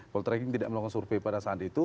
gold tracking tidak melakukan survei pada saat itu